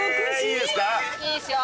いいですか？